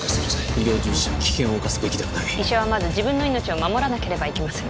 医療従事者は危険を冒すべきではない医者はまず自分の命を守らなければいけません